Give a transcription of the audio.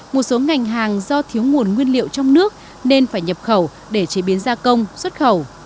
một số ngành hàng do thiếu nguồn nguyên liệu trong nước nên phải nhập khẩu để chế biến gia công xuất khẩu